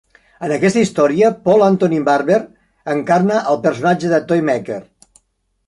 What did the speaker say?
En aquest història, Paul Antony-Barber encarna el personatge de Toymaker.